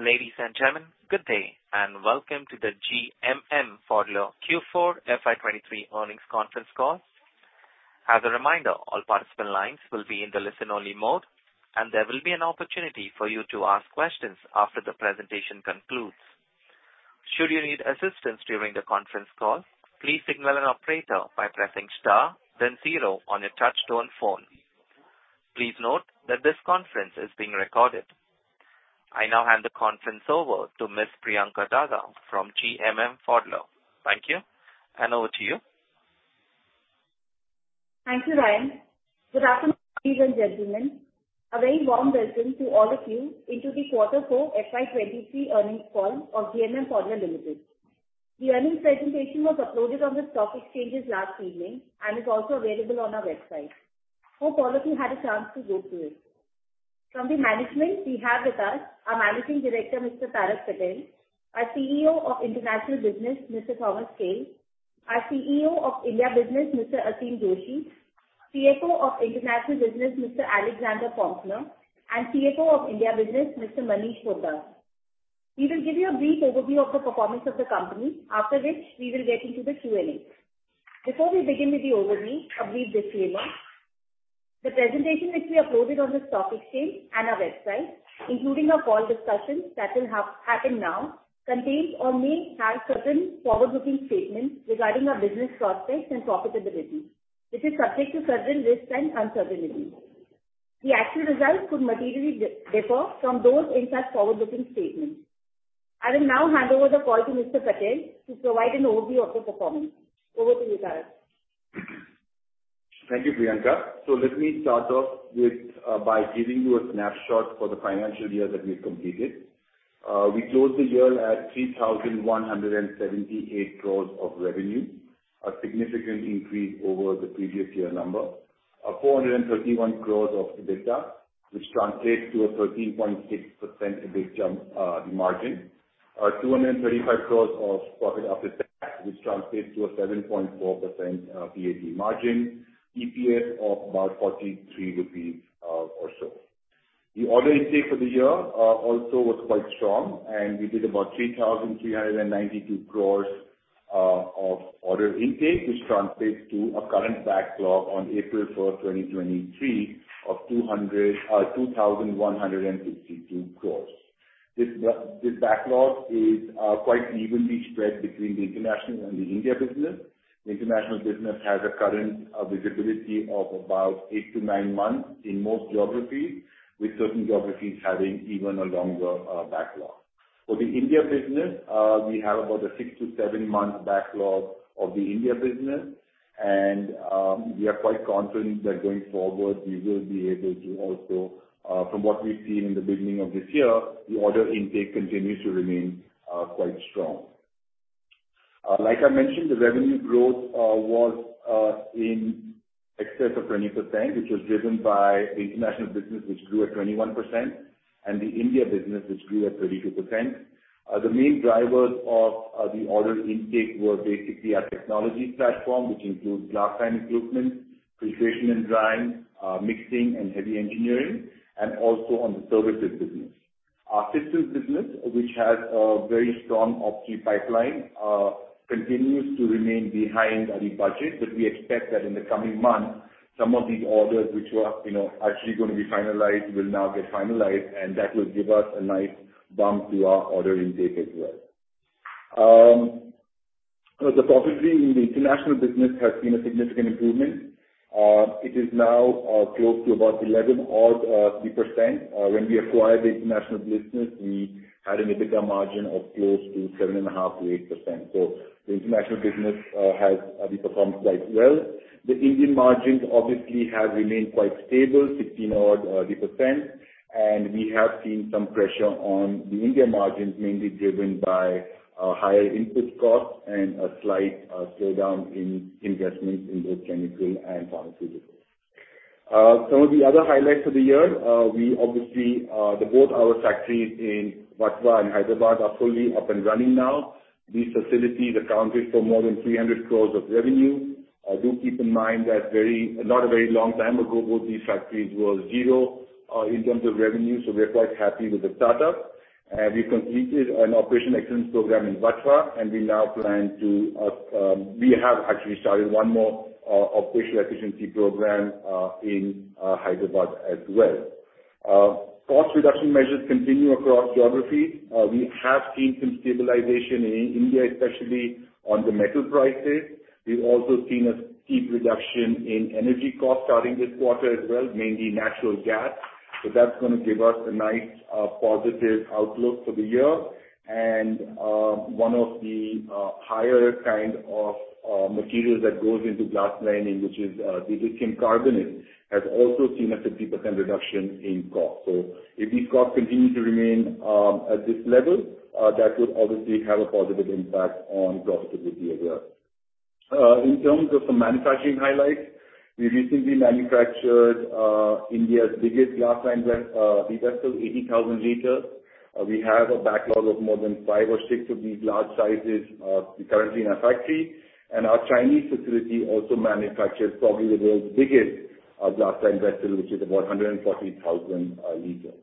Ladies and gentlemen, good day. Welcome to the GMM Pfaudler Q4 FY 2023 earnings conference call. As a reminder, all participant lines will be in the listen-only mode. There will be an opportunity for you to ask questions after the presentation concludes. Should you need assistance during the conference call, please signal an operator by pressing star then zero on your touchtone phone. Please note that this conference is being recorded. I now hand the conference over to Miss Priyanka Daga from GMM Pfaudler. Thank you. Over to you. Thank you, Ryan. Good afternoon, ladies and gentlemen. A very warm welcome to all of you into the quarter four FY 2023 earnings call of GMM Pfaudler Limited. The earnings presentation was uploaded on the stock exchanges last evening and is also available on our website. Hope all of you had a chance to go through it. From the management, we have with us our Managing Director, Mr. Tarak Patel; our CEO of International Business, Mr. Thomas Kehl; our CEO of India Business, Mr. Aseem Joshi; CFO of International Business, Mr. Alexander Pömpner; and CFO of India Business, Mr. Manish Poddar. We will give you a brief overview of the performance of the company, after which we will get into the Q&A. Before we begin with the overview, a brief disclaimer. The presentation which we uploaded on the stock exchange and our website, including our call discussions that will happen now, contains or may have certain forward-looking statements regarding our business prospects and profitability. This is subject to certain risks and uncertainties. The actual results could materially differ from those in such forward-looking statements. I will now hand over the call to Mr. Patel to provide an overview of the performance. Over to you, sir. Thank you, Priyanka. Let me start off with by giving you a snapshot for the financial year that we completed. We closed the year at 3,178 crores of revenue, a significant increase over the previous year number. 431 crores of EBITDA, which translates to a 13.6% margin. 235 crores of profit after tax, which translates to a 7.4% PAT margin, EPS of about 43 rupees or so. The order intake for the year also was quite strong, and we did about 3,392 crores of order intake, which translates to a current backlog on April 1, 2023, of 2,162 crores. This backlog is quite evenly spread between the international and the India business. The international business has a current visibility of about eight to nine months in most geographies, with certain geographies having even a longer backlog. For the India business, we have about a six to seven-month backlog of the India business, we are quite confident that going forward we will be able to also, from what we've seen in the beginning of this year, the order intake continues to remain quite strong. Like I mentioned, the revenue growth was in excess of 20%, which was driven by international business, which grew at 21%, and the India business, which grew at 32%. The main drivers of the order intake were basically our technology platform, which includes glass lining equipment, precision and drying, mixing and heavy engineering, also on the services business. Our systems business, which has a very strong OpEx pipeline, continues to remain behind our budget, we expect that in the coming months, some of these orders, which were, you know, actually going to be finalized, will now get finalized, that will give us a nice bump to our order intake as well. The profitability in the International Business has seen a significant improvement. It is now close to about 11%. When we acquired the International Business, we had an EBITDA margin of close to 7.5%-8%. The International Business has performed quite well. The Indian margins obviously have remained quite stable, 16%, and we have seen some pressure on the India margins, mainly driven by higher input costs and a slight slowdown in investments in both chemical and pharmaceutical. Some of the other highlights of the year, we obviously, the both our factories in Vatva and Hyderabad are fully up and running now. These facilities accounted for more than 300 crores of revenue. Do keep in mind that not a very long time ago, both these factories were zero in terms of revenue, so we are quite happy with the startup. We completed an operation excellence program in Vatva, and we now plan to, we have actually started one more operational efficiency program in Hyderabad as well. Cost reduction measures continue across geographies. We have seen some stabilization in India, especially on the metal prices. We've also seen a steep reduction in energy costs starting this quarter as well, mainly natural gas. That's gonna give us a nice positive outlook for the year. One of the higher kind of materials that goes into glass lining, which is the lithium carbonate, has also seen a 50% reduction in cost. If these costs continue to remain at this level, that would obviously have a positive impact on profitability as well. In terms of some manufacturing highlights, we recently manufactured India's biggest glass line vessel, 80,000 liters. We have a backlog of more than five or six of these large sizes currently in our factory. Our Chinese facility also manufactures probably the world's biggest glass-lined vessel, which is about 140,000 liters.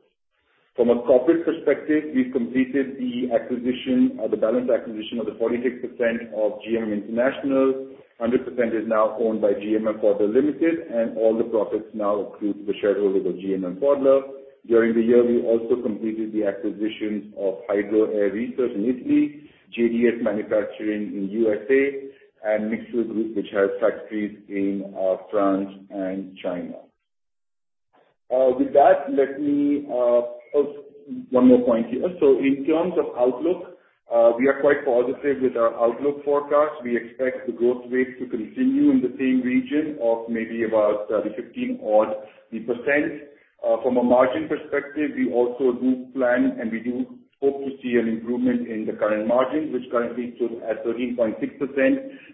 From a profit perspective, we've completed the acquisition, the balance acquisition of the 46% of GMM International. 100% is now owned by GMM Pfaudler Limited. All the profits now accrue to the shareholders of GMM Pfaudler. During the year, we also completed the acquisitions of Hydro Air Research in Italy, JDS Manufacturing in USA, and Mixel Group, which has factories in France and China. One more point here. In terms of outlook, we are quite positive with our outlook forecast. We expect the growth rate to continue in the same region of maybe about the 15%. From a margin perspective, we also do plan, we do hope to see an improvement in the current margin, which currently stood at 13.6%.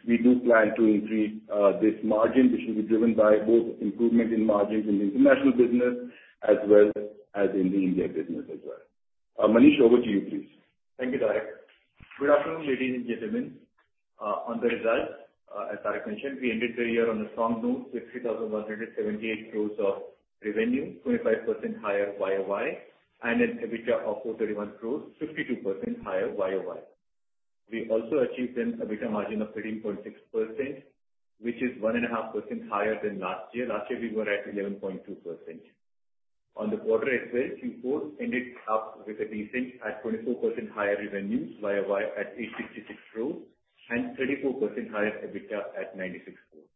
We do plan to increase this margin, which will be driven by both improvement in margins in the international business as well as in the India business as well. Manish, over to you, please. Thank you, Tarek. Good afternoon, ladies and gentlemen. On the results, as Tarek mentioned, we ended the year on a strong note, with 3,178 crores of revenue, 25% higher YOY, and an EBITDA of 431 crores, 52% higher YOY. We also achieved an EBITDA margin of 13.6%, which is 1.5% higher than last year. Last year we were at 11.2%. On the quarter as well, Q4 ended up with a decent at 24% higher revenues YOY at 866 crores and 34% higher EBITDA at 96 crores.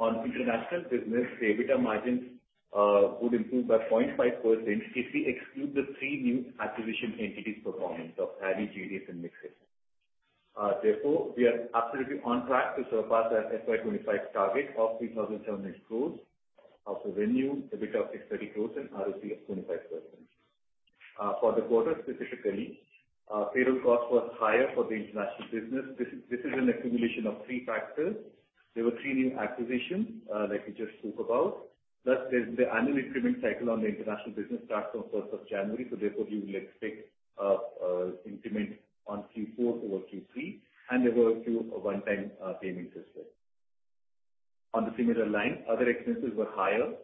On international business, the EBITDA margins would improve by 0.5% if we exclude the three new acquisition entities performance of HARI, JDS and Mixel. We are absolutely on track to surpass our FY 2025 target of 3,700 crores of revenue, EBITDA of 630 crores and ROC of 25%. For the quarter specifically, payroll cost was higher for the international business. This is an accumulation of three factors. There were three new acquisitions that we just spoke about. There's the annual increment cycle on the international business starts on January 1st, therefore we will expect increment on Q4 over Q3, and there were a few one-time payments as well. On the similar line, other expenses were higher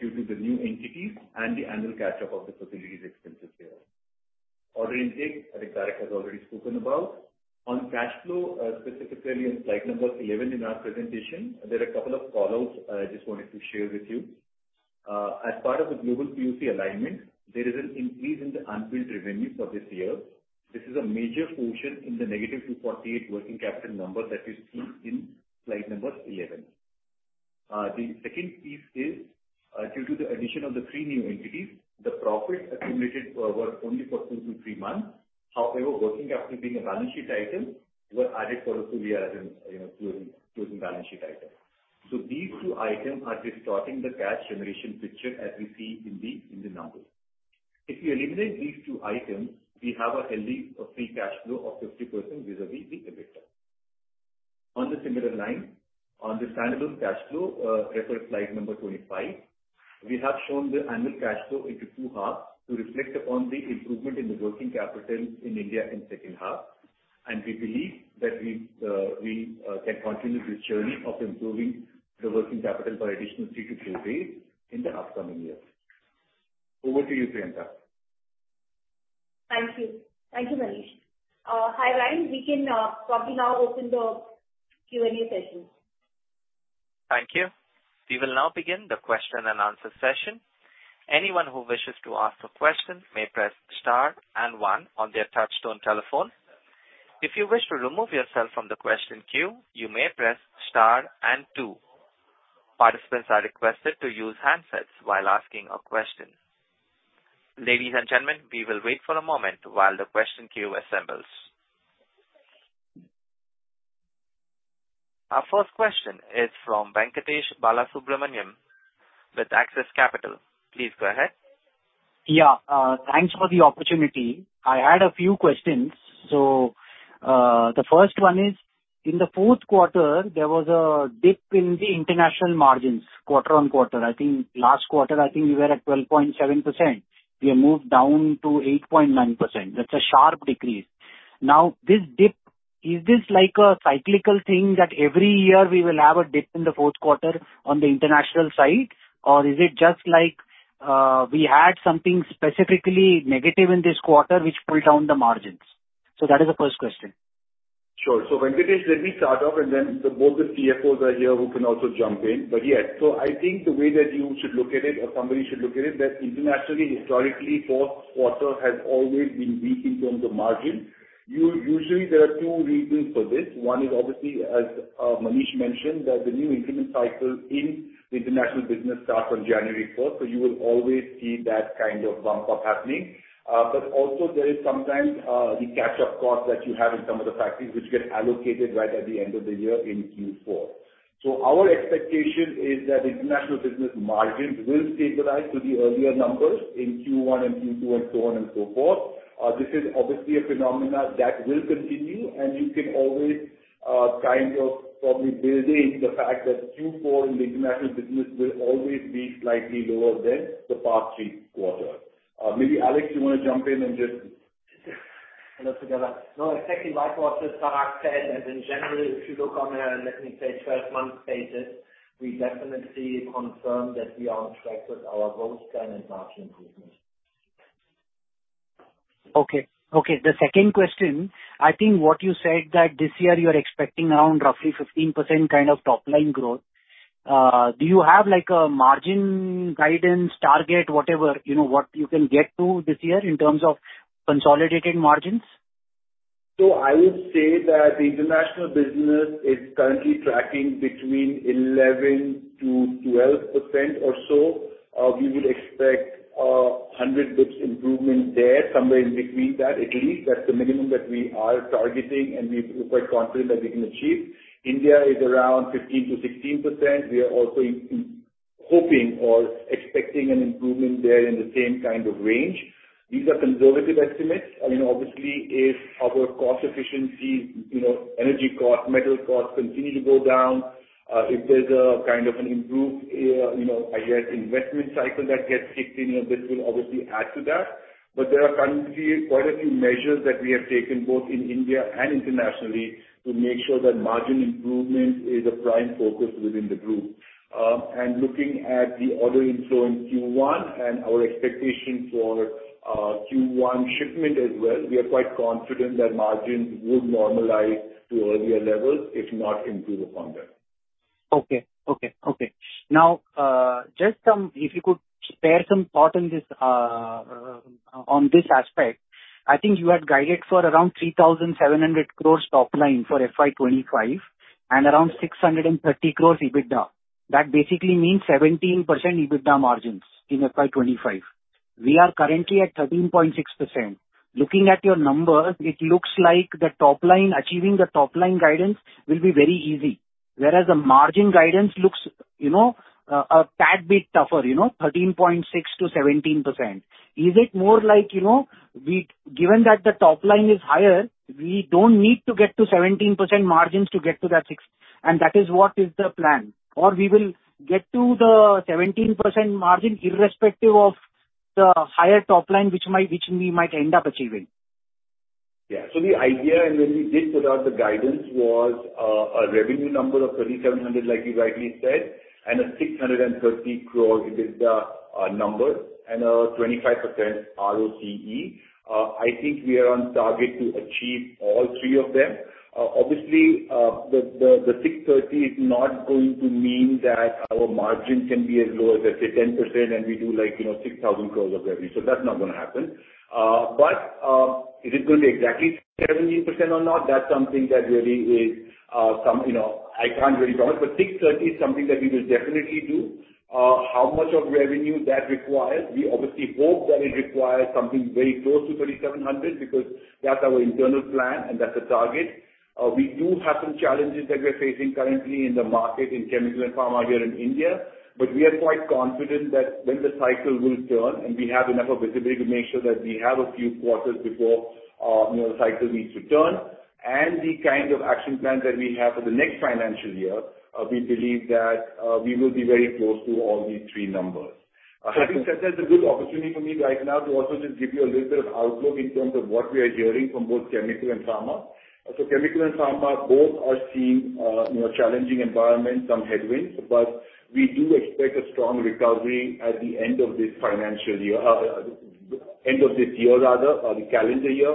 due to the new entities and the annual catch-up of the facilities expenses there. Order intake, I think Tarak has already spoken about. On cash flow, specifically on slide number 11 in our presentation, there are a couple of calls I just wanted to share with you. As part of the global PUC alignment, there is an increase in the unbilled revenue for this year. This is a major portion in the negative 248 working capital number that we see in slide number 11. The second piece is, due to the addition of the three new entities, the profits accumulated for were only for two to three months. However, working capital being a balance sheet item, were added for us to be as an, you know, to a balance sheet item. These two items are distorting the cash generation picture as we see in the numbers. If you eliminate these two items, we have a healthy, free cash flow of 50% vis-a-vis the EBITDA. On the similar line, on the standalone cash flow, refer slide number 25. We have shown the annual cash flow into two halves to reflect upon the improvement in the working capital in India in second half. We believe that we can continue this journey of improving the working capital by additional three, two days in the upcoming years. Over to you, Priyanka. Thank you. Thank you, Manish. Hi, Ryan. We can, probably now open the Q&A session. Thank you. We will now begin the question-and-answer session. Anyone who wishes to ask a question may press star and one on their touchtone telephone. If you wish to remove yourself from the question queue, you may press star and two. Participants are requested to use handsets while asking a question. Ladies and gentlemen, we will wait for a moment while the question queue assembles. Our first question is from Venkatesh Balasubramaniam with Axis Capital. Please go ahead. Yeah, thanks for the opportunity. I had a few questions. The first one is: In the fourth quarter, there was a dip in the international margins, quarter-on-quarter. I think last quarter, I think we were at 12.7%. We have moved down to 8.9%. That's a sharp decrease. Now, this dip, is this like a cyclical thing, that every year we will have a dip in the fourth quarter on the international side or is it just like, we had something specifically negative in this quarter, which pulled down the margins? That is the first question. Sure. Venkatesh, let me start off, and then both the CFOs are here who can also jump in. Yes, so I think the way that you should look at it or somebody should look at it, that internationally, historically, fourth quarter has always been weak in terms of margins. Usually, there are two reasons for this. One is obviously, as Manish mentioned, that the new increment cycle in the international business starts on January fourth, so you will always see that kind of bump up happening. Also there is sometimes the catch-up cost that you have in some of the factories which get allocated right at the end of the year in Q4. Our expectation is that international business margins will stabilize to the earlier numbers in Q1 and Q2 and so on and so forth. This is obviously a phenomena that will continue, and you can always, kind of probably build in the fact that Q4 in the international business will always be slightly lower than the past three quarters. Maybe, Alex, you want to jump in and just. Hello together. No, exactly like what Tarak said, as in general, if you look on a, let me say, 12-month basis, we definitely confirm that we are on track with our growth plan and margin improvement. Okay, okay. The second question, I think what you said that this year you're expecting around roughly 15% kind of top line growth. Do you have like a margin guidance target, whatever, you know, what you can get to this year in terms of consolidated margins? I would say that the international business is currently tracking between 11%-12% or so. We would expect 100 basis points improvement there, somewhere in between that, at least. That's the minimum that we are targeting, and we're quite confident that we can achieve. India is around 15%-16%. We are also hoping or expecting an improvement there in the same kind of range. These are conservative estimates. You know, obviously, if our cost efficiency, you know, energy costs, metal costs continue to go down, if there's a kind of an improved, you know, I guess, investment cycle that gets kicked in, you know, this will obviously add to that. There are currently quite a few measures that we have taken, both in India and internationally, to make sure that margin improvement is a prime focus within the group. Looking at the order inflow in Q1 and our expectation for Q1 shipment as well, we are quite confident that margins will normalize to earlier levels, if not improve upon that. Okay, okay. If you could spare some thought on this aspect, I think you had guided for around 3,700 crore top line for FY 2025, and around 630 crore EBITDA. That basically means 17% EBITDA margins in FY 2025. We are currently at 13.6%. Looking at your numbers, it looks like the top line, achieving the top line guidance will be very easy, whereas the margin guidance looks, you know, a tad bit tougher, you know, 13.6%-17%. Is it more like, you know, given that the top line is higher, we don't need to get to 17% margins to get to that six, and that is what is the plan? We will get to the 17% margin, irrespective of the higher top line, which we might end up achieving. Yeah. The idea and when we did put out the guidance was a revenue number of 3,700 crore, like you rightly said, and a 630 crore EBITDA number, and 25% ROCE. I think we are on target to achieve all three of them. Obviously, the 630 is not going to mean that our margin can be as low as, let's say, 10%, and we do like, you know, 6,000 crores of revenue. That's not gonna happen. Is it going to be exactly 17% or not? That's something that really is, you know, I can't really promise. 630 is something that we will definitely do. How much of revenue that requires? We obviously hope that it requires something very close to 3,700, because that's our internal plan and that's the target. We do have some challenges that we're facing currently in the market, in Chemical and Pharma here in India. We are quite confident that when the cycle will turn, and we have enough visibility to make sure that we have a few quarters before, you know, the cycle needs to turn. The kind of action plan that we have for the next financial year, we believe that, we will be very close to all these three numbers. I think that's a good opportunity for me right now to also just give you a little bit of outlook in terms of what we are hearing from both Chemical and Pharma. Chemical and Pharma both are seeing, you know, challenging environment, some headwinds, but we do expect a strong recovery at the end of this financial year, end of this year rather, or the calendar year.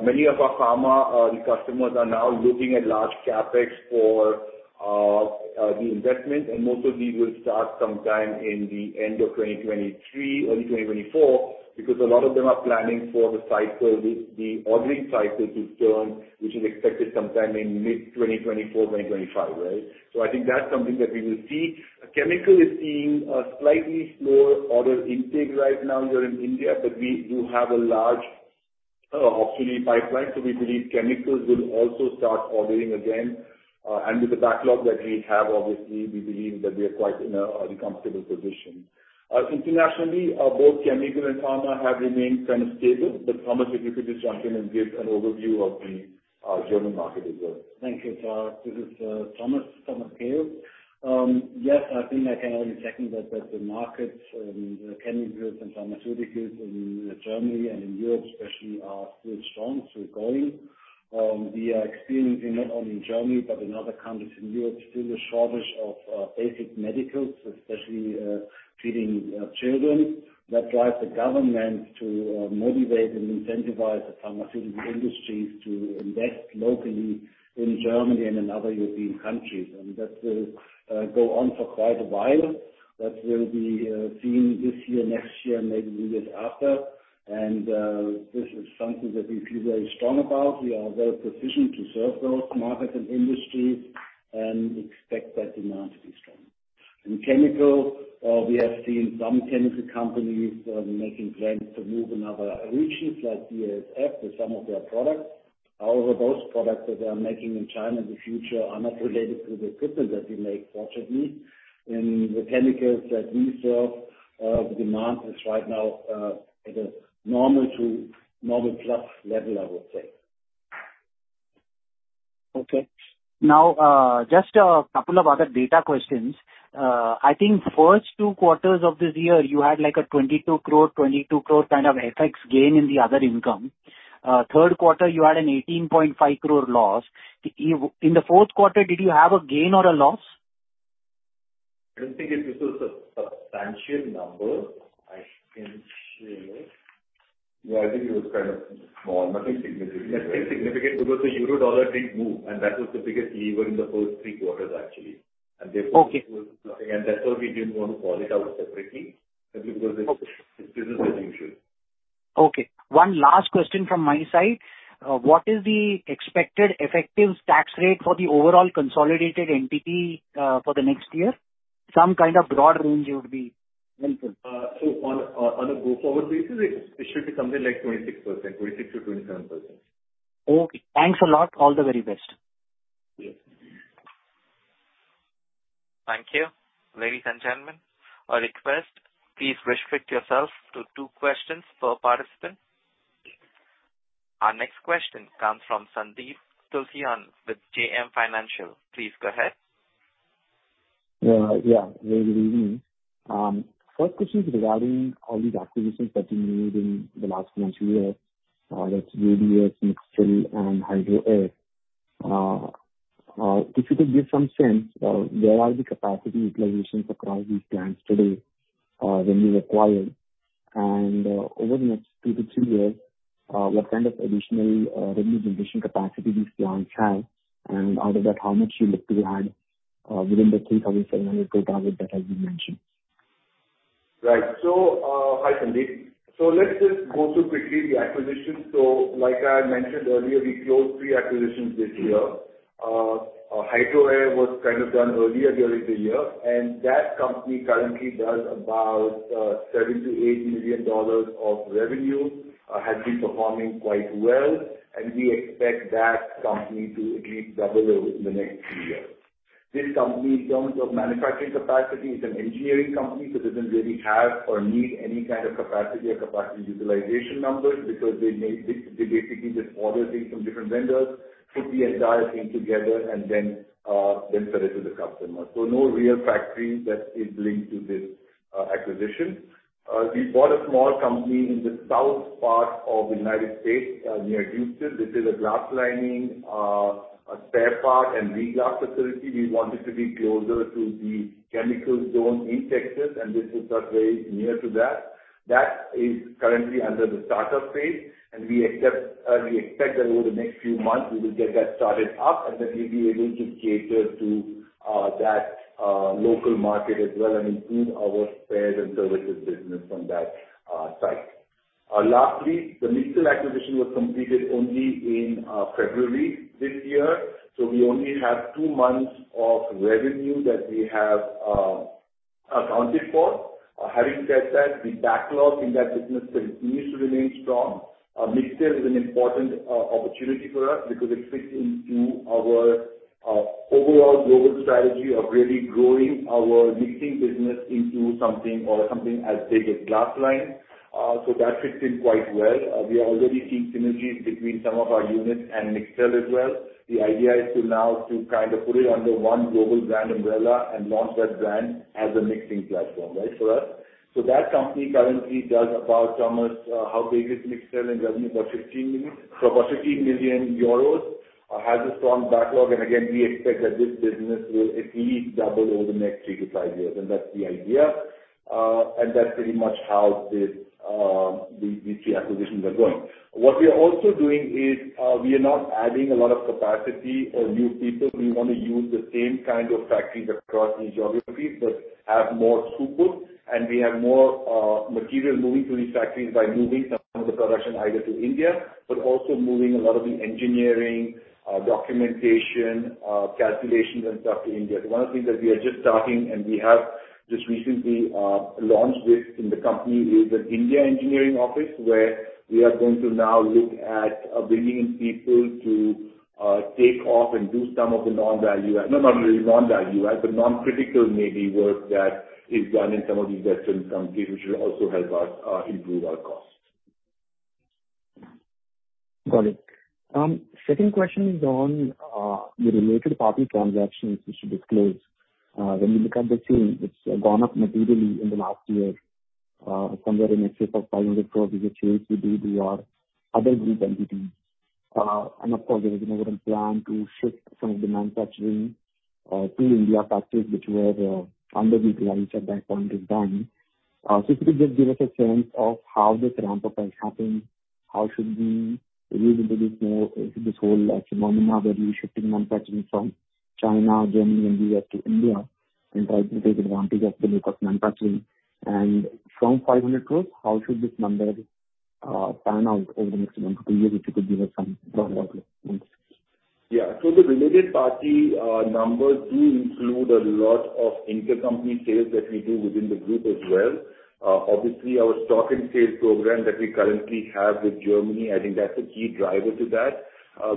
Many of our pharma customers are now looking at large CapEx for the investment, and most of these will start sometime in the end of 2023, early 2024, because a lot of them are planning for the cycle, the ordering cycle to turn, which is expected sometime in mid-2024, 2025, right? I think that's something that we will see. Chemical is seeing a slightly slower order intake right now here in India, but we do have a large, obviously, pipeline, so we believe chemicals will also start ordering again. With the backlog that we have, obviously, we believe that we are quite in a comfortable position. Internationally, both Chemical and Pharma have remained kind of stable, but, Thomas, if you could just jump in and give an overview of the German market as well. Thank you, Tarak. This is Thomas Kehl. Yes, I think I can only second that the markets, chemicals and pharmaceuticals in Germany and in Europe especially, are still strong, still growing. We are experiencing, not only in Germany, but in other countries in Europe, still a shortage of basic medicals, especially treating children. That drives the government to motivate and incentivize the pharmaceutical industries to invest locally in Germany and in other European countries, and that will go on for quite a while. That will be seen this year, next year, and maybe the years after. This is something that we feel very strong about. We are very positioned to serve those markets and industries and expect that demand to be strong. In Chemical, we have seen some chemical companies making plans to move in other regions, like BASF, with some of their products. However, those products that they are making in China in the future are not related to the equipment that we make, fortunately. In the chemicals that we serve, the demand is right now at a normal to normal plus level, I would say. Okay. Now, just a couple of other data questions. I think first two quarters of this year, you had like an 22 crore kind of FX gain in the other income. third quarter, you had an 18.5 crore loss. In the fourth quarter, did you have a gain or a loss? I don't think it was a substantial number. I can share. Yeah, I think it was kind of small. Nothing significant. Nothing significant because the Euro dollar didn't move, and that was the biggest lever in the first three quarters, actually. Therefore, and that's why we didn't want to call it out separately, because it business as usual. Okay, one last question from my side. What is the expected effective tax rate for the overall consolidated entity for the next year? Some kind of broad range it would be. On a go-forward basis, it should be something like 26%-27%. Okay, thanks a lot. All the very best. Yes. Thank you. Ladies and gentlemen, a request, please restrict yourselves to two questions per participant. Our next question comes from Sandeep Tulsiyan with JM Financial. Please go ahead. Yeah, good evening. First question is regarding all the acquisitions that you made in the last one, two years that's JDS, Mixel, and Hydro Air. If you could give some sense of where are the capacity utilizations across these plants today when you acquired, and, uh, over the next two to three years, what kind of additional, uh, revenue generation capacity these plants have? And out of that, how much you look to add within the three thousand seven hundred crore target that has been mentioned? Right. Hi, Sandeep. Let's just go through quickly the acquisitions. Like I had mentioned earlier, we closed three acquisitions this year. Hydro Air was kind of done earlier during the year, and that company currently does about $7 million-$8 million of revenue, has been performing quite well, and we expect that company to at least double over the next few years. This company, in terms of manufacturing capacity, is an engineering company, doesn't really have or need any kind of capacity or capacity utilization numbers, because they basically just order things from different vendors, put the entire thing together and then sell it to the customer. No real factory that is linked to this acquisition. We bought a small company in the south part of the United States, near Houston. This is a glass lining, a spare part and re-glass facility. We want it to be closer to the chemical zone in Texas, and this is very near to that. That is currently under the startup phase, and we accept, we expect that over the next few months we will get that started up, and then we'll be able to cater to that local market as well and improve our spares and services business from that site. Lastly, the Mixel acquisition was completed only in February this year, so we only have two months of revenue that we have accounted for. Having said that, the backlog in that business continues to remain strong. Mixel is an important opportunity for us because it fits into our overall global strategy of really growing our mixing business into something or something as big as glass lining. That fits in quite well. We are already seeing synergies between some of our units and Mixel as well. The idea is to now to kind of put it under one global brand umbrella and launch that brand as a mixing platform, right, for us. That company currently does about almost how big is Mixel in revenue? About 15 million. About 15 million euros has a strong backlog, and again, we expect that this business will at least double over the next three to five years, and that's the idea. That's pretty much how these three acquisitions are going. What we are also doing is, we are not adding a lot of capacity or new people. We want to use the same kind of factories across the geographies, but have more throughput, and we have more material moving through these factories by moving some of the production either to India, but also moving a lot of the engineering, documentation, calculations and stuff to India. One of the things that we are just starting, and we have just recently launched this in the company, is an India engineering office, where we are going to now look at bringing in people to take off and do some of the non-value add. No, not really non-value add, but non-critical, maybe, work that is done in some of these western countries, which will also help us improve our costs. Got it. Second question is on the related party transactions which you disclosed. When you look at the change, it's gone up materially in the last year, somewhere in excess of 500 crores, which are to DDR, other group entities. Of course, there was an overall plan to shift some of the manufacturing to India factories which were underutilized at that point in time. If you could just give us a sense of how this ramp up has happened, how should we read into this more, this whole like phenomenon that we're shifting manufacturing from China, Germany, and U.S. to India, and try to take advantage of the local manufacturing? From 500 crores, how should this number pan out over the next one to two years, if you could give us some broad outline, please. The related party numbers do include a lot of intercompany sales that we do within the group as well. Obviously, our stock and sale program that we currently have with Germany, I think that's a key driver to that.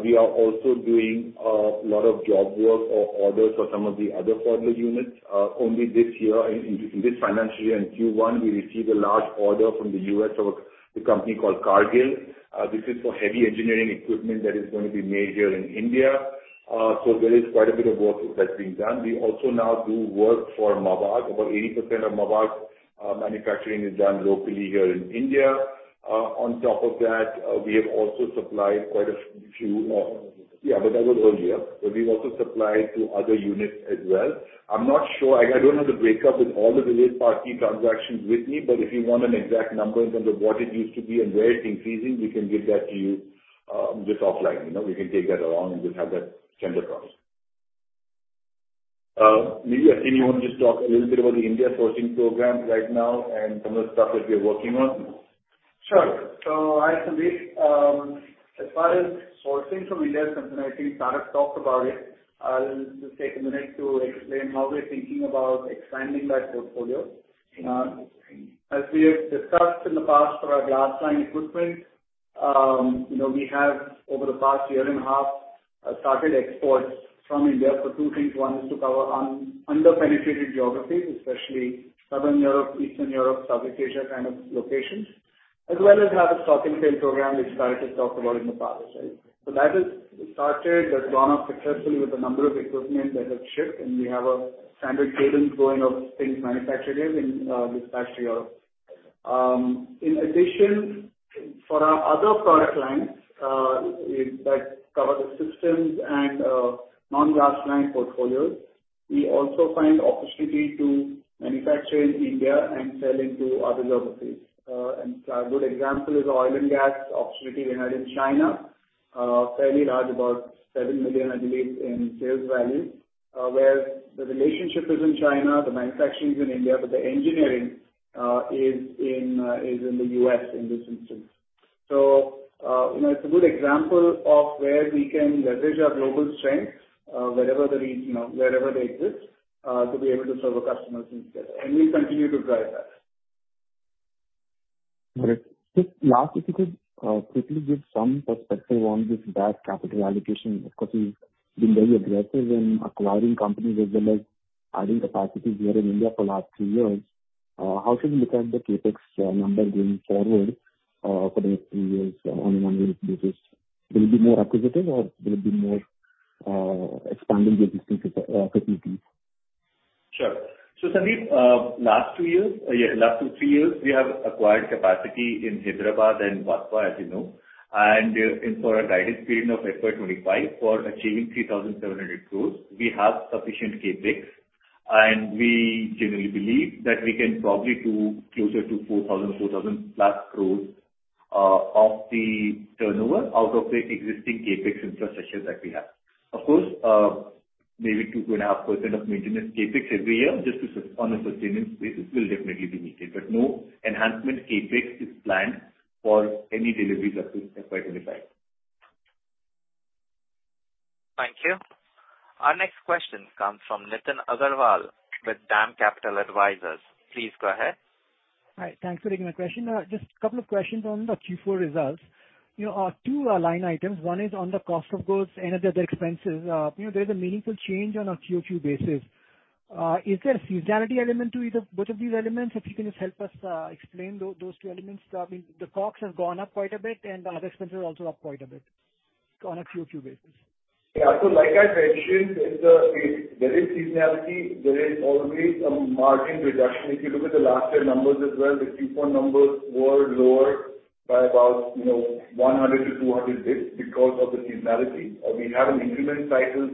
We are also doing a lot of job work or orders for some of the other formula units. Only this year, in this financial year, in Q1, we received a large order from the U.S. of a company called Cargill. This is for heavy engineering equipment that is going to be made here in India. There is quite a bit of work that's being done. We also now do work for MAVAG. About 80% of MAVAG manufacturing is done locally here in India. On top of that, we have also supplied quite a few more. That was earlier. We've also supplied to other units as well. I'm not sure, I don't have the breakup with all the related party transactions with me, but if you want an exact number in terms of what it used to be and where it's increasing, we can give that to you just offline. You know, we can take that along and just have that center cross. Maybe, Aseem, you want to just talk a little bit about the India sourcing program right now and some of the stuff that we're working on? Sure. Hi, Sandeep. As far as sourcing from India is concerned, I think Tarak talked about it. I'll just take a minute to explain how we're thinking about expanding that portfolio. As we have discussed in the past for our glass-lined equipment, you know, we have, over the past year and a half, started exports from India for two things. One is to cover under-penetrated geographies, especially Southern Europe, Eastern Europe, South Asia kind of locations, as well as have a stock and sale program, which Tarak has talked about in the past, right? That is started, that's gone off successfully with a number of equipment that have shipped, and we have a standard cadence going of things manufactured and dispatched here. In addition, for our other product lines, that cover the systems and non-glass-lined portfolios, we also find opportunity to manufacture in India and sell into other geographies. A good example is oil and gas opportunity we had in China, fairly large, about $7 million, I believe, in sales value, where the relationship is in China, the manufacturing is in India, but the engineering, is in the U.S. in this instance. You know, it's a good example of where we can leverage our global strength, wherever the region or wherever they exist, to be able to serve our customers instead, and we continue to drive that. Great. Just last, if you could quickly give some perspective on this bad capital allocation, because we've been very aggressive in acquiring companies as well as adding capacities here in India for the last two years. How should we look at the CapEx number going forward for the next two years on an annual basis? Will it be more acquisitive or will it be more expanding the existing capacities? Sure. Sandeep, last two years, last two, three years, we have acquired capacity in Hyderabad and Vadodara, as you know, and in for a guided period of FY 2025, for achieving 3,700 crores, we have sufficient CapEx, and we generally believe that we can probably do closer to 4,000, 4,000+ crores of the turnover out of the existing CapEx infrastructure that we have. Of course, maybe 2.5% of maintenance CapEx every year, just on a sustenance basis, will definitely be needed, but no enhancement CapEx is planned for any deliveries at least FY 2025. Thank you. Our next question comes from Nitin Agarwal with DAM Capital Advisors. Please go ahead. Hi, thanks for taking my question. Just a couple of questions on the Q4 results. You know, two line items. One is on the cost of goods and other expenses. You know, there's a meaningful change on a QOQ basis. Is there a seasonality element to either both of these elements? If you can just help us explain those two elements. I mean, the costs have gone up quite a bit, and the other expenses are also up quite a bit on a QOQ basis. Like I mentioned, there is seasonality. There is always a margin reduction. If you look at the last year numbers as well, the Q4 numbers were lower by about, you know, 100-200 basis points because of the seasonality. We have an increment cycle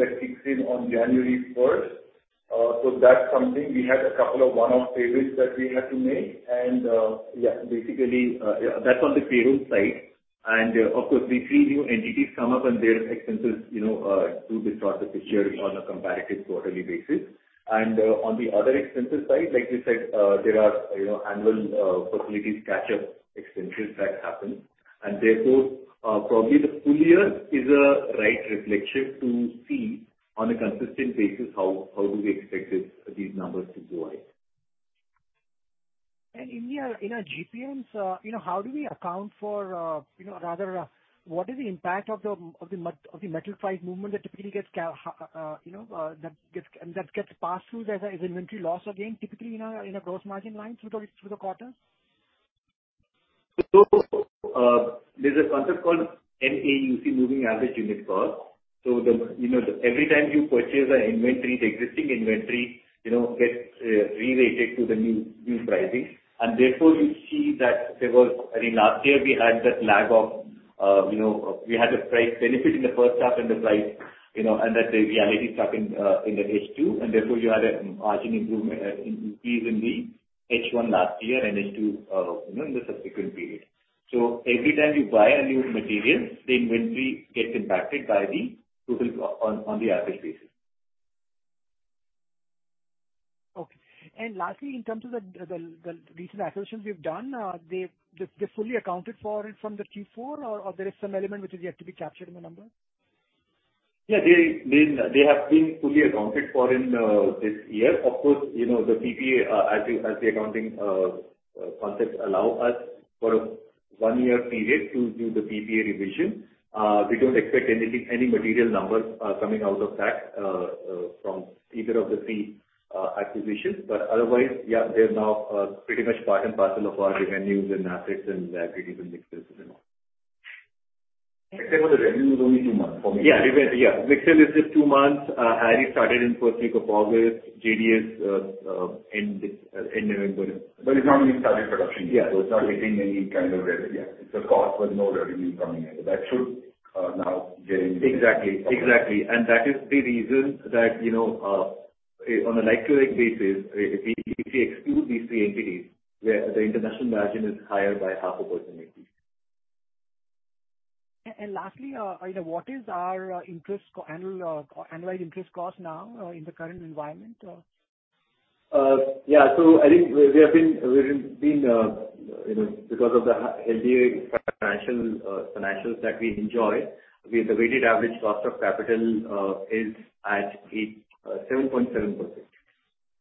that kicks in on January 1st. That's something. We had a couple of one-off favors that we had to make, and basically, that's on the payroll side. Of course, the three new entities come up and their expenses, you know, do distort the picture on a comparative quarterly basis. On the other expenses side, like we said, there are, you know, annual facilities, catch-up expenses that happen. Therefore, probably the full year is a right reflection to see on a consistent basis, how do we expect these numbers to go up. In your, in our GPMs, you know, how do we account for, you know, rather, what is the impact of the metal price movement that typically gets passed through as inventory loss or gain, typically in a gross margin line through the quarter? There's a concept called MAUC, moving average unit cost. Every time you purchase an inventory, the existing inventory gets reweighted to the new pricing. Therefore, you see that, I mean, last year we had that lag of we had the price benefit in the first half and the price and that the reality stuck in the H2, and therefore you had a margin improvement in the H1 last year and H2 in the subsequent period. Every time you buy a new material, the inventory gets impacted by the total go on the average basis. Okay. Lastly, in terms of the recent acquisitions we've done, they're fully accounted for it from the Q4 or there is some element which is yet to be captured in the number? Yeah, they have been fully accounted for in this year. Of course, you know, the PPA, as the accounting concepts allow us for a one-year period to do the PPA revision. We don't expect any material numbers coming out of that from either of the three acquisitions, but otherwise, yeah, they're now pretty much part and parcel of our revenues and assets, and they're pretty good mixes and all. Except for the revenue is only two months for me. Yeah, Mixen is just two months. HARI started in first week of August. JDS end November. It's not only started production yet. Yeah. It's not getting any kind of Yeah, the cost, but no revenue coming in. That should now Exactly. That is the reason that, you know, on a like-to-like basis, if we, if we exclude these three entities, where the international margin is higher by 0.5% at least. Lastly, you know, what is our interest annual, annualized interest cost now, in the current environment? Yeah. I think we've been, you know, because of the EBITDA financials that we enjoy, we have the weighted average cost of capital is at 7.7%,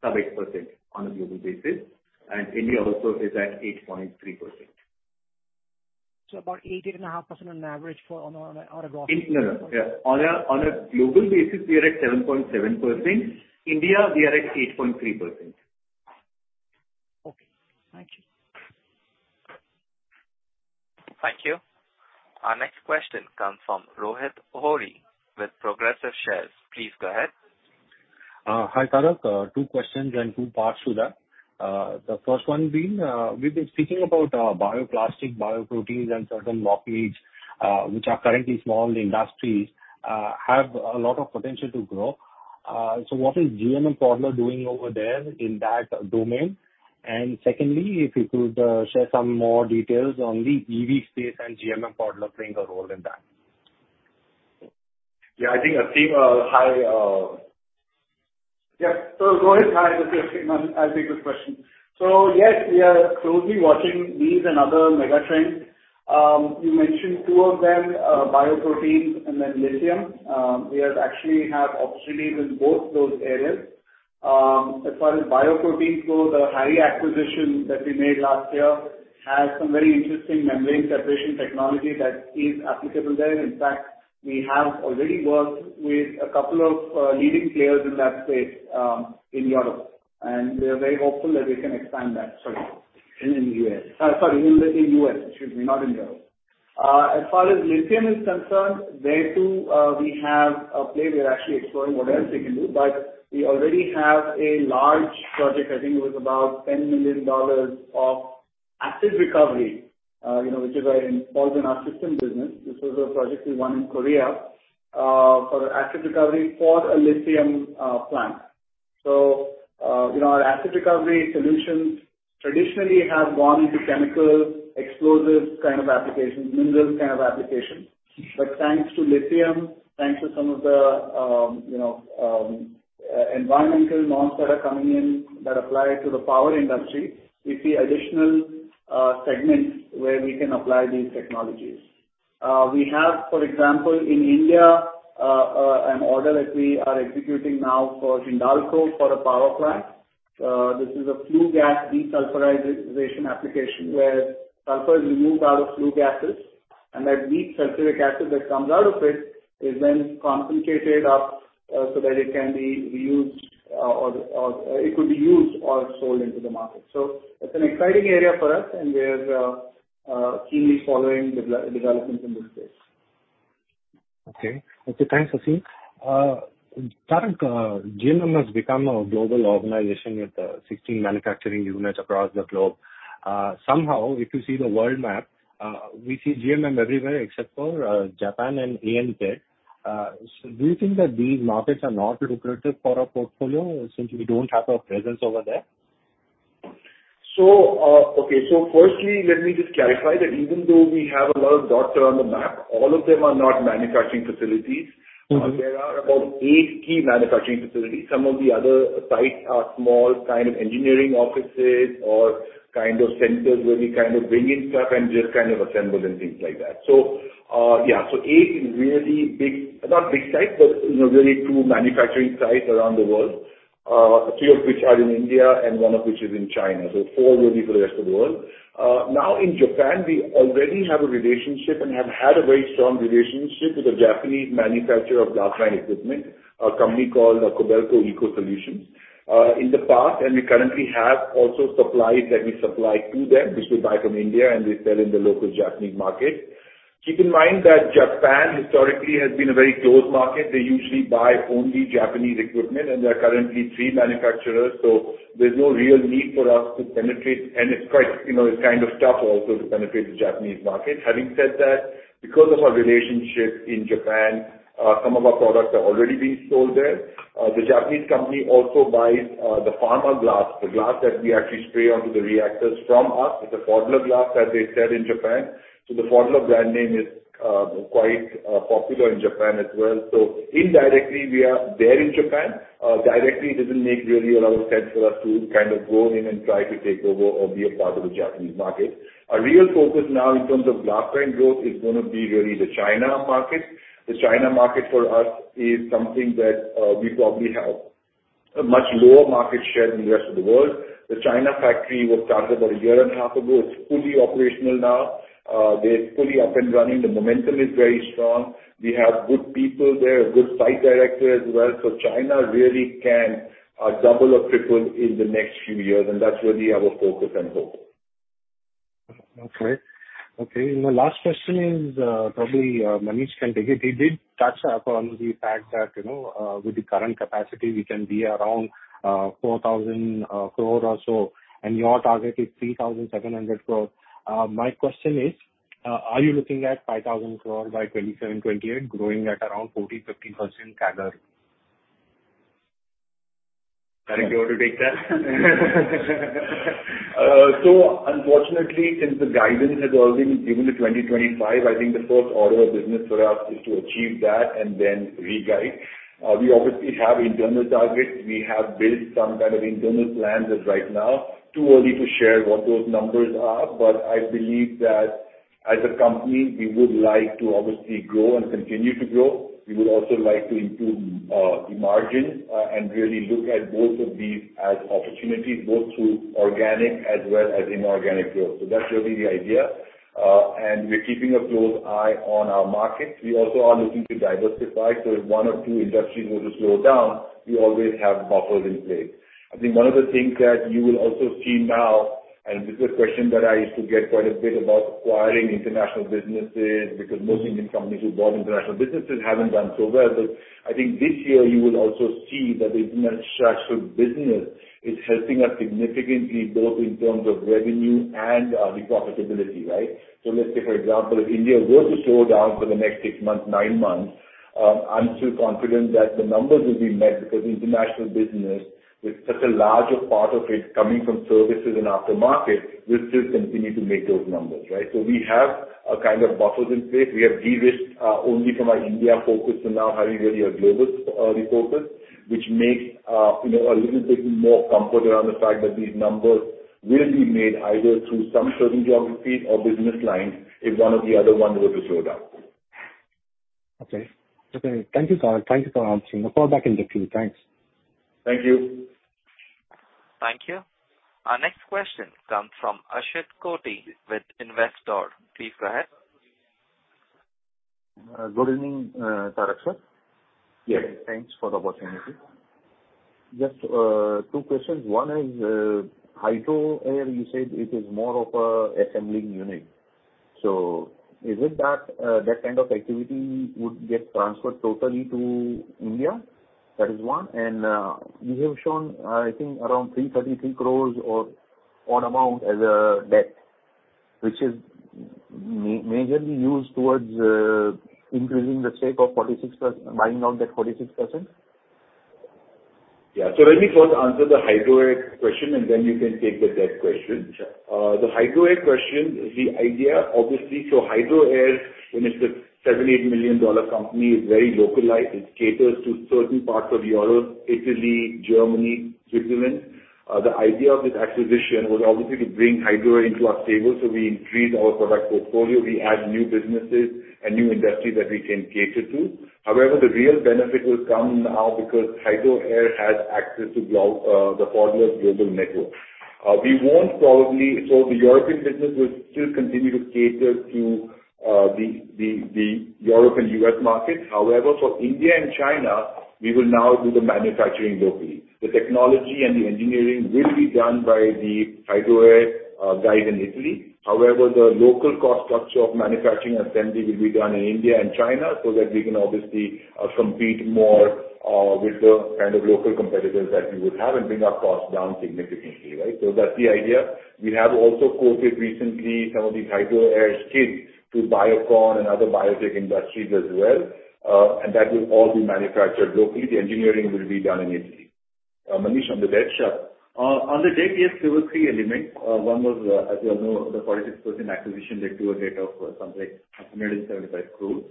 sub 8% on a global basis. India also is at 8.3%. About 8.5% on average for on a overall? No, no. Yeah. On a global basis, we are at 7.7%. India, we are at 8.3%. Okay, thank you. Thank you. Our next question comes from Rohit Ohri with Progressive Shares. Please go ahead. Hi, Tarak. Two questions and two parts to that. The first one being, we've been speaking about bioplastic, bioproteins, and certain niche, which are currently small industries, have a lot of potential to grow. So what is GMM Pfaudler doing over there in that domain? Secondly, if you could share some more details on the EV space and GMM Pfaudler playing a role in that. I think, Aseem. Yeah. Rohit, hi. This is Aseem. I'll take this question. Yes, we are closely watching these and other mega trends. You mentioned two of them, bioproteins and then lithium. We actually have opportunities in both those areas. As far as bioproteins go, the HARI acquisition that we made last year has some very interesting membrane separation technology that is applicable there. In fact, we have already worked with a couple of leading players in that space, in Europe, and we are very hopeful that we can expand that. Sorry. In U.S. Sorry, in U.S., excuse me, not in Europe. As far as lithium is concerned, there, too, we have a play. We are actually exploring what else we can do. We already have a large project, I think it was about $10 million of acid recovery, you know, which is involved in our system business. This was a project we won in Korea for acid recovery for a lithium plant. Our acid recovery solutions traditionally have gone into chemical, explosives kind of applications, minerals kind of applications. Thanks to lithium, thanks to some of the, you know, environmental norms that are coming in that apply to the power industry, we see additional segments where we can apply these technologies. We have, for example, in India, an order that we are executing now for Hindalco, for a power plant. This is a flue gas desulfurization application, where sulfur is removed out of flue gases, and that weak sulfuric acid that comes out of it is then concentrated up so that it could be used or sold into the market. It's an exciting area for us, and we are keenly following developments in this space. Okay. Okay, thanks, Aseem. Tarak, GMM has become a global organization with 16 manufacturing units across the globe. somehow, if you see the world map, we see GMM everywhere except for Japan and ANZ. Do you think that these markets are not lucrative for our portfolio since we don't have a presence over there? Okay. Firstly, let me just clarify that even though we have a lot of dots around the map, all of them are not manufacturing facilities. There are about eight key manufacturing facilities. Some of the other sites are small, kind of engineering offices or kind of centers, where we kind of bring in stuff and just kind of assemble and things like that. Eight really big, not big sites, but, you know, really two manufacturing sites around the world, three of which are in India and one of which is in China, so four really for the rest of the world. In Japan, we already have a relationship and have had a very strong relationship with a Japanese manufacturer of glass-lined equipment, a company called Kobelco Eco-Solutions. In the past, and we currently have also supplies that we supply to them, which we buy from India, and they sell in the local Japanese market. Keep in mind that Japan historically has been a very closed market. They usually buy only Japanese equipment, and there are currently three manufacturers, so there's no real need for us to penetrate. It's quite, you know, it's kind of tough also to penetrate the Japanese market. Having said that, because of our relationship in Japan, some of our products are already being sold there. The Japanese company also buys, the pharma glass, the glass that we actually spray onto the reactors from us. It's a Pfaudler glass that they sell in Japan. The Pfaudler brand name is quite popular in Japan as well. Indirectly, we are there in Japan. Directly, it doesn't make really a lot of sense for us to kind of go in and try to take over or be a part of the Japanese market. Our real focus now in terms of glass-line growth is going to be really the China market. The China market for us is something that, we probably have a much lower market share than the rest of the world. The China factory was started about a year and a half ago. It's fully operational now. They're fully up and running. The momentum is very strong. We have good people there, a good site director as well. China really can, double or triple in the next few years, and that's really our focus and hope. Okay. Okay, My last question is, probably Manish can take it. He did touch upon the fact that, you know, with the current capacity, we can be around 4,000 crore or so, and your target is 3,700 crore. My question is, are you looking at 5,000 crore by 2027, 2028, growing at around 40%-50% CAGR? Tarak, do you want to take that? Unfortunately, since the guidance has already been given to 2025, I think the first order of business for us is to achieve that and then reguide. We obviously have internal targets. We have built some kind of internal plans as right now. Too early to share what those numbers are, I believe that as a company, we would like to obviously grow and continue to grow. We would also like to improve the margin and really look at both of these as opportunities, both through organic as well as inorganic growth. That's really the idea. We're keeping a close eye on our markets. We also are looking to diversify, if one or two industries were to slow down, we always have buffers in place. I think one of the things that you will also see now, this is a question that I used to get quite a bit about acquiring international businesses, because most Indian companies who bought international businesses haven't done so well. I think this year you will also see that the international business is helping us significantly, both in terms of revenue and the profitability, right? Let's say, for example, if India were to slow down for the next six months, nine months, I'm still confident that the numbers will be met, because international business, with such a larger part of it coming from services and aftermarket, will still continue to make those numbers, right? We have a kind of buffers in place. We have de-risked, only from our India focus to now having really a global refocus, which makes, you know, a little bit more comfort around the fact that these numbers will be made either through some certain geographies or business lines if one or the other one were to slow down. Okay. Okay, thank you, sir. Thank you for answering. I'll call back in the queue. Thanks. Thank you. Thank you. Our next question comes from [Ashit Koti with Investore]. Please go ahead. Good evening, Tarak sir. Yes. Thanks for the opportunity. Just two questions. One is, Hydro Air, you said it is more of a assembling unit. Is it that kind of activity would get transferred totally to India? That is one. You have shown, I think around 333 crores or odd amount as a debt, which is majorly used towards increasing the stake of buying down that 46%? Yeah. Let me first answer the Hydro Air question, and then you can take the debt question. The Hydro Air question, the idea, obviously, so Hydro Air, you know, it's a $78 million company, is very localized. It caters to certain parts of Europe, Italy, Germany, Switzerland. The idea of this acquisition was obviously to bring Hydro Air into our stable, so we increase our product portfolio, we add new businesses and new industries that we can cater to. However, the real benefit will come now because Hydro Air has access to the Pfaudler global network. The European business will still continue to cater to the European U.S. market. However, for India and China, we will now do the manufacturing locally. The technology and the engineering will be done by the Hydro Air guys in Italy. However, the local cost structure of manufacturing and assembly will be done in India and China, so that we can obviously compete more with the kind of local competitors that we would have and bring our costs down significantly, right? That's the idea. We have also quoted recently some of these Hydro Air kits to Biocon and other biotech industries as well, and that will all be manufactured locally. The engineering will be done in Italy. Manish, on the debt chart. On the debt, yes, there were three elements. One was, as you all know, the 46% acquisition, led to a debt of something like 175 crores.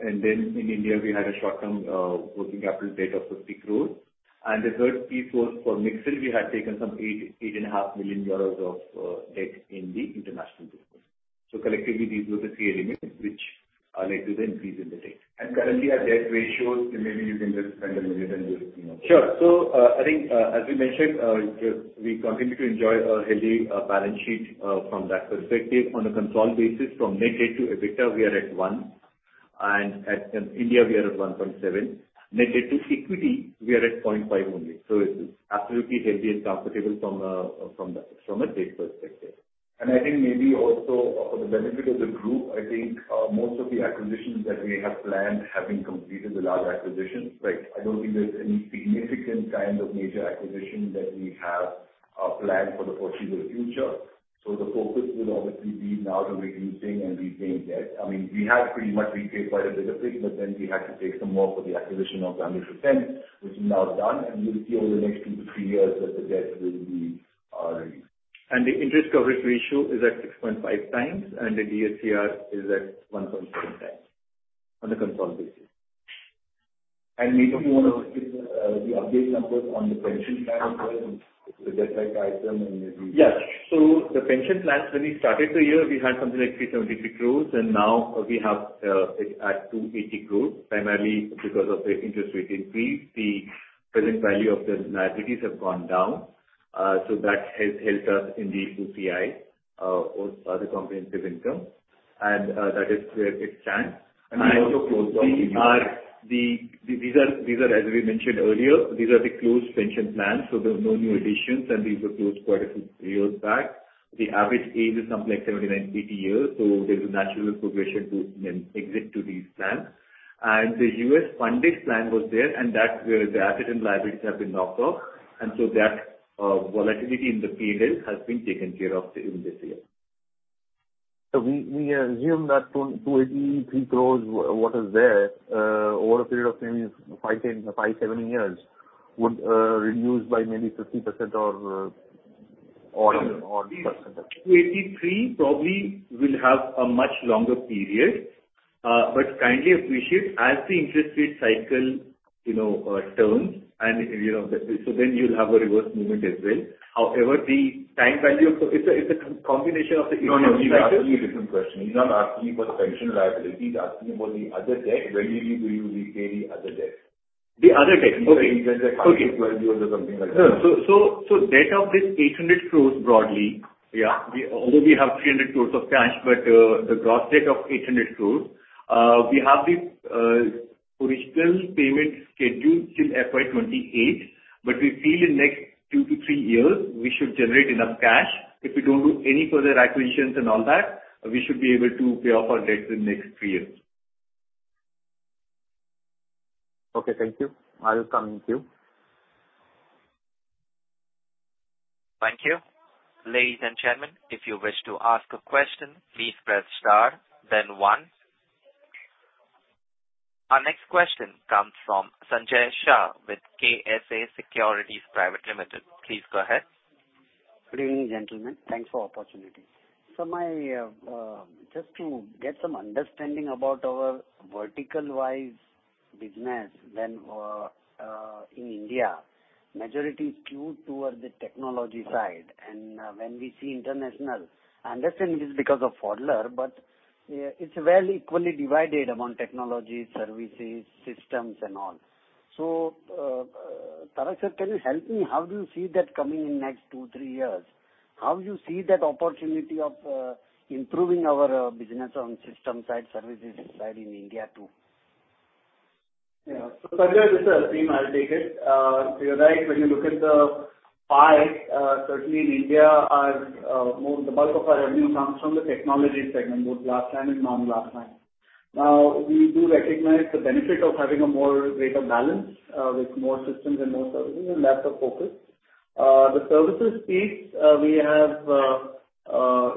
In India, we had a short-term, working capital debt of 50 crores. The third piece was for Mixel, we had taken some 8 million-8.5 million euros of debt in the International Business. Collectively, these were the three elements which led to the increase in the debt. Currently our debt ratios, maybe you can just spend a minute and just, you know. Sure. I think, as we mentioned, we continue to enjoy a healthy balance sheet from that perspective. On a consolidated basis from net debt to EBITDA, we are at 1, and in India, we are at 1.7. Net debt to equity, we are at 0.5 only. It's absolutely healthy and comfortable from the debt perspective. I think maybe also for the benefit of the group, I think most of the acquisitions that we have planned have been completed, the large acquisitions, right. I don't think there's any significant kind of major acquisition that we have planned for the foreseeable future. The focus will obviously be now to reducing and repaying debt. We have pretty much repaid quite a bit of debt, we had to take some more for the acquisition of [Gamut Ten], which is now done, and you will see over the next two to three years that the debt will be reduced. The interest coverage ratio is at 6.5x, and the DSCR is at 1.7x on a consolidated basis. Maybe you want to give the update numbers on the pension plan as well, the debt-like item. Yes. The pension plan, when we started the year, we had something like 373 crores, and now we have it at 280 crores, primarily because of the interest rate increase. The present value of the liabilities have gone down, so that has helped us in the OCI, or other comprehensive income, that is where it stands. These are, as we mentioned earlier, these are the closed pension plans, there are no new additions, these were closed quite a few years back. The average age is something like 79, 80 years, there's a natural progression to then exit to these plans. The U.S. funded plan was there, that's where the assets and liabilities have been knocked off, that volatility in the P&L has been taken care of in this year. We assume that 283 crores, what is there, over a period of maybe five, seven years, would reduce by maybe 50% or 83% probably will have a much longer period. Kindly appreciate, as the interest rate cycle, you know, turns and you know, you'll have a reverse movement as well. The time value of, it's a combination. No, no, he's asking you a different question. He's not asking you for the pension liability. He's asking about the other debt. When do you repay the other debt? The other debt. Okay. Debt of this 800 crore broadly. Yeah. Although we have 300 crore of cash, the gross debt of 800 crore, we have the original payment scheduled till FY 2028, we feel in next two to three years, we should generate enough cash. If we don't do any further acquisitions and all that, we should be able to pay off our debt in next three years. Okay, thank you. Back on the queue. Thank you. Ladies and gentlemen, if you wish to ask a question, please press star then one. Our next question comes from Sanjay Shah with KSA Securities Private Limited. Please go ahead. Good evening, gentlemen. Thanks for opportunity. My, just to get some understanding about our vertical-wise business then, in India, majority skewed towards the technology side. When we see international, I understand it is because of Pfaudler, but, it's well equally divided among technology, services, systems and all. Tarak sir, can you help me? How do you see that coming in next two to three years? How do you see that opportunity of improving our business on system side, services side in India, too? Sanjay, this is Aseem, I'll take it. You're right, when you look at the pie, certainly in India, our, more, the bulk of our revenue comes from the technology segment, both glass-lined and non-glass-lined. Now, we do recognize the benefit of having a more greater balance, with more systems and more services, and that's the focus. The services piece, we have,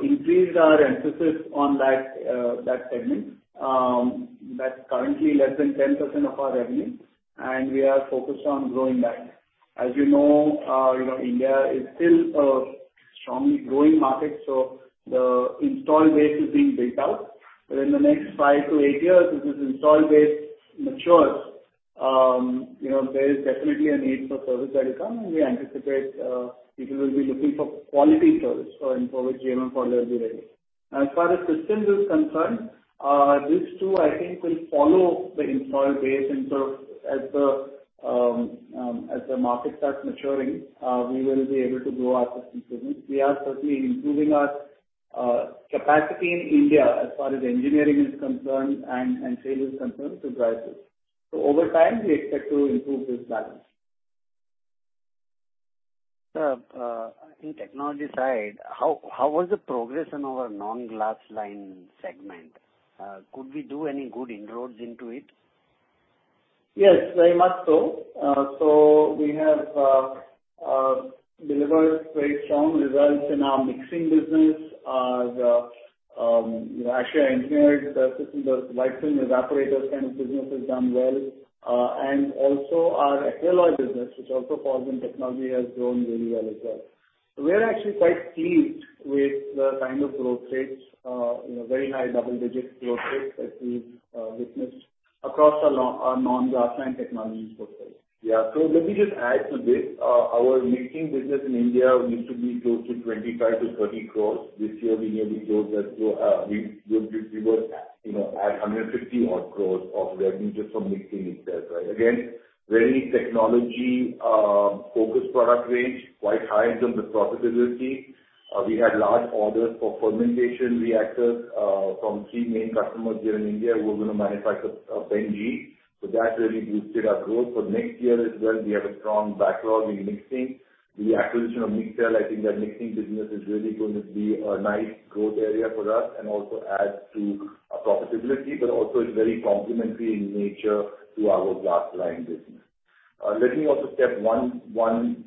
increased our emphasis on that segment. That's currently less than 10% of our revenue, and we are focused on growing that. As you know, you know, India is still a strongly growing market, so the install base is being built out. In the next five to eight years, as this install base matures, you know, there is definitely a need for service that will come, and we anticipate people will be looking for quality service, so and for which GMM Pfaudler will be ready. As far as systems is concerned, this too, I think, will follow the install base. As the market starts maturing, we will be able to grow our system business. We are certainly improving our capacity in India as far as engineering is concerned and sales is concerned to drive this. Over time, we expect to improve this balance. Sir, in technology side, how was the progress on our non-glass-lined segment? Could we do any good inroads into it? Yes, very much so. We have delivered very strong results in our mixing business. The, you know, actually, engineered the system, the vacuum evaporator kind of business has done well. Also our alloy business, which also falls in technology, has grown really well as well. We are actually quite pleased with the kind of growth rates, you know, very high double-digit growth rates that we've witnessed across our non-glass-lined technology portfolio. Yeah. Let me just add to this. Our mixing business in India used to be close to 25- 30 crores. This year, we may be close as to, we were, you know, at 150 crores of revenue just from mixing itself, right? Again, very technology, focused product range, quite high in terms of profitability. We had large orders for fermentation reactors, from three main customers here in India who are going to manufacture Penicillin G. That really boosted our growth. For next year as well, we have a strong backlog in mixing. The acquisition of Mixel, I think that mixing business is really going to be a nice growth area for us and also adds to our profitability, but also is very complementary in nature to our glass-lined business. Let me also step one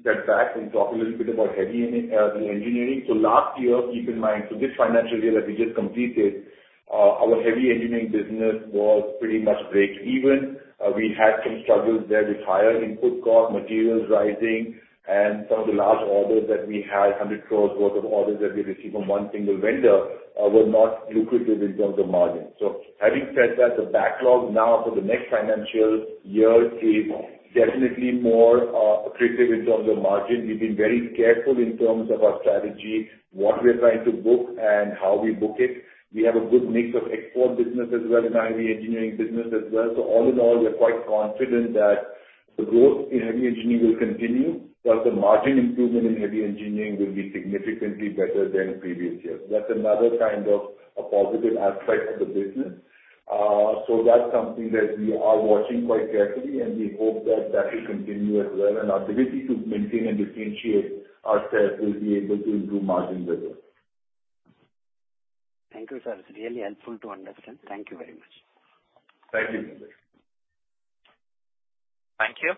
step back and talk a little bit about heavy engineering. Last year, keep in mind, so this financial year that we just completed, our heavy engineering business was pretty much break even. We had some struggles there with higher input cost, materials rising, and some of the large orders that we had, 100 crores worth of orders that we received from one single vendor, were not lucrative in terms of margin. Having said that, the backlog now for the next financial year is definitely more accretive in terms of margin. We've been very careful in terms of our strategy, what we're trying to book and how we book it. We have a good mix of four business as well as our heavy engineering business as well. All in all, we are quite confident that the growth in heavy engineering will continue, but the margin improvement in heavy engineering will be significantly better than previous years. That's another kind of a positive aspect of the business. That's something that we are watching quite carefully, and we hope that that will continue as well. Our ability to maintain and differentiate ourselves will be able to improve margins as well. Thank you, sir. It's really helpful to understand. Thank you very much. Thank you. Thank you.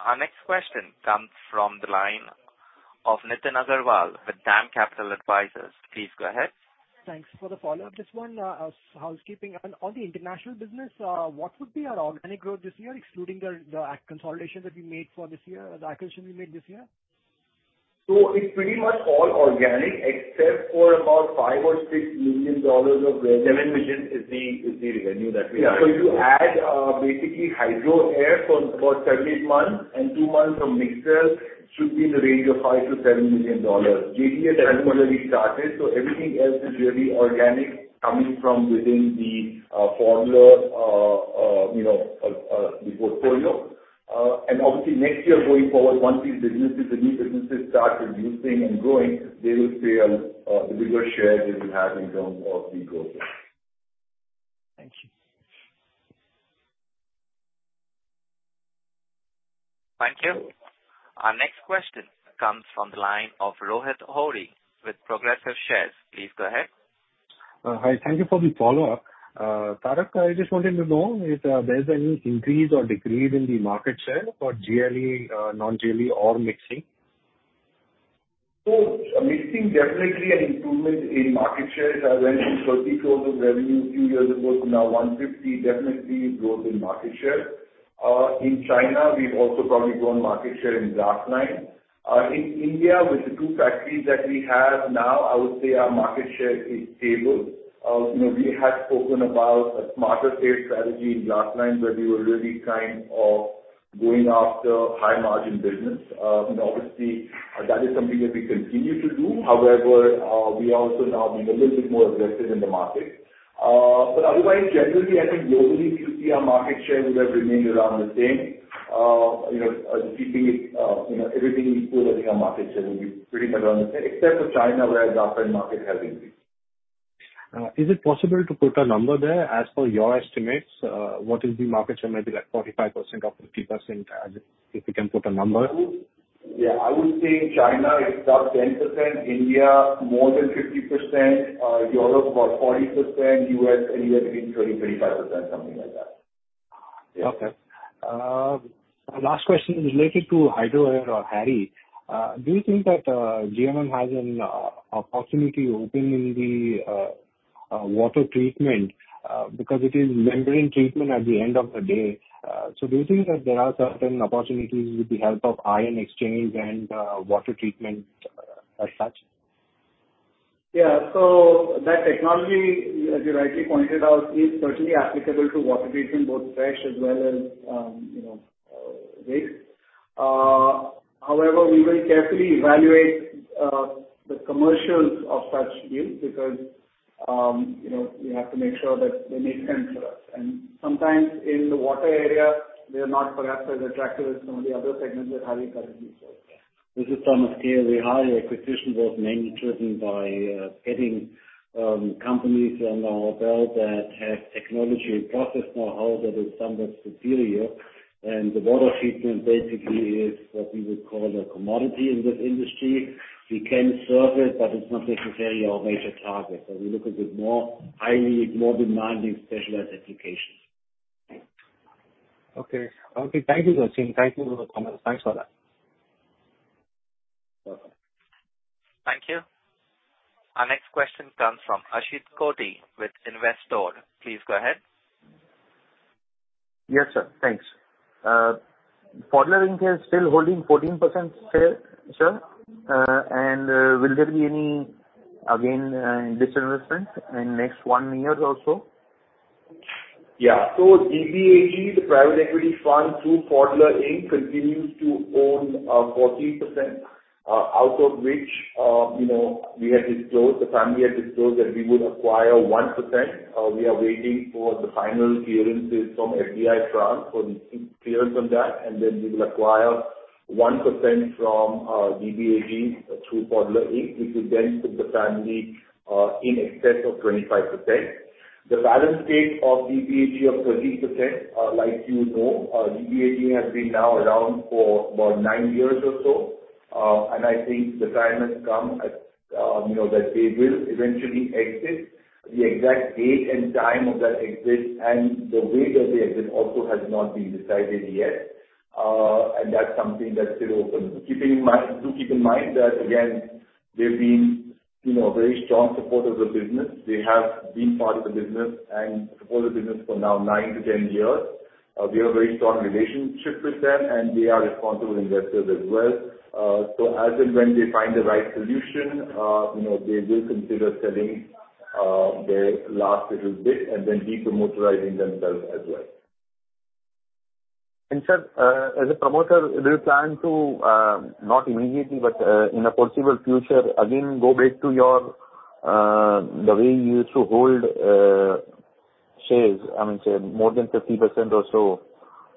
Our next question comes from the line of Nitin Agarwal with DAM Capital Advisors. Please go ahead. Thanks for the follow-up. Just one, housekeeping. On the International Business, what would be our organic growth this year, excluding the acquisition we made this year? It's pretty much all organic, except for about $5 million or $6 million is the revenue that we have. Yeah. You add, basically Hydro Air for about seven, eight months and 2 months from Mixel should be in the range of $5 million-$7 million. JDS has already started, everything else is really organic, coming from within the Pfaudler, you know, the portfolio. Obviously next year, going forward, once these businesses, the new businesses start producing and growing, they will play a bigger share they will have in terms of the growth. Thank you. Thank you. Our next question comes from the line of Rohit Ohri with Progressive Shares. Please go ahead. Hi. Thank you for the follow-up. Tarak, I just wanted to know if there's any increase or decrease in the market share for GLE, non-GLE or mixing? Mixing, definitely an improvement in market share. It has went from 30 trillion revenue a few years ago to now 150 trillion, definitely growth in market share. In China, we've also probably grown market share in last nine. In India, with the 2 factories that we have now, I would say our market share is stable. You know, we had spoken about a smarter state strategy in last nine, where we were really kind of going after high margin business. Obviously that is something that we continue to do. However, we are also now being a little bit more aggressive in the market. Otherwise, generally, I think globally, if you see our market share would have remained around the same. You know, keeping it, you know, everything equal, I think our market share will be pretty much around the same, except for China, where our market has increased. Is it possible to put a number there? As per your estimates, what is the market share, maybe like 45% or 50%, if you can put a number? Yeah, I would say in China it's up 10%, India more than 50%, Europe about 40%, U.S. anywhere between 20%-25%, something like that. Okay. My last question is related to Hydro Air or HARI. Do you think that GLN has an opportunity open in the water treatment, because it is membrane treatment at the end of the day? Do you think that there are certain opportunities with the help of ion exchange and water treatment as such? Yeah. That technology, as you rightly pointed out, is certainly applicable to water treatment, both fresh as well as, you know, waste. However, we will carefully evaluate the commercials of such deals because, you know, we have to make sure that they make sense for us. Sometimes in the water area, they are not perhaps as attractive as some of the other segments that HARI covers. This is Thomas Kehl. The HARI acquisition was mainly driven by getting companies on our belt that have technology and process know-how that is somewhat superior. The water treatment basically is what we would call a commodity in this industry. We can serve it, but it's not necessarily our major target. We look at it more highly, more demanding specialized applications. Okay. Okay, thank you, Tarak. Thank you for the comments. Thanks for that. Welcome. Thank you. Our next question comes from [Ashit Koti with Investore]. Please go ahead. Yes, sir. Thanks. Pfaudler Inc. is still holding 14% share, sir? will there be any, again, disinvestment in next one years or so? DBAG, the private equity fund through Pfaudler Inc., continues to own 14%, out of which, you know, we had disclosed, the family had disclosed that we would acquire 1%. We are waiting for the final clearances from FDI France for the clearance on that, we will acquire 1% from DBAG through Pfaudler Inc., which will then put the family in excess of 25%. The balance stake of DBAG of 13%, like you know, DBAG has been now around for about nine years or so, I think the time has come, you know, that they will eventually exit. The exact date and time of that exit and the way that they exit also has not been decided yet, that's something that's still open. Do keep in mind that, again, they've been, you know, a very strong supporter of the business. They have been part of the business and supported the business for now nine to 10 years. We have a very strong relationship with them, and they are responsible investors as well. As and when they find the right solution, you know, they will consider selling, their last little bit and then demotorizing themselves as well. Sir, as a promoter, do you plan to, not immediately, but in the foreseeable future, again, go back to your the way you used to hold shares? I mean, say, more than 50% or so.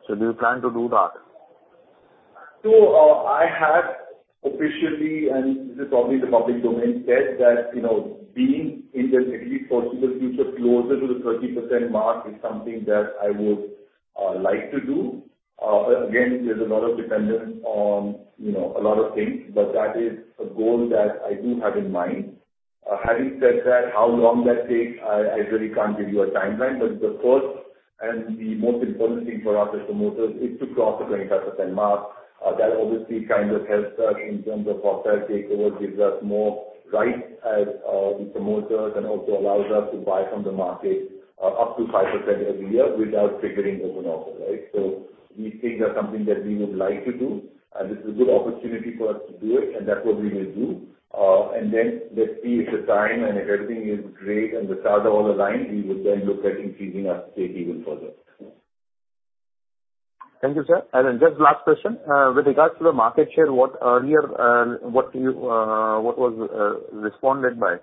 Do you plan to do that? I had officially, and this is probably the public domain, said that, you know, being in the immediate foreseeable future, closer to the 30% mark is something that I would like to do. Again, there's a lot of dependence on, you know, a lot of things, but that is a goal that I do have in mind. Having said that, how long that takes, I really can't give you a timeline, but the first and the most important thing for us as promoters is to cross the 25% mark. That obviously kind of helps us in terms of hostile takeover, gives us more rights as the promoters, and also allows us to buy from the market, up to 5% every year without triggering open offer, right? These things are something that we would like to do, and this is a good opportunity for us to do it, and that's what we will do. Then let's see if the time and if everything is great and the stars are all aligned, we will then look at increasing our stake even further. Thank you, sir. Then just last question, with regards to the market share, what was responded by,